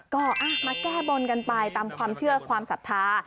ก็มาแก้บนกันไปตามความเชื่อความศรัทธา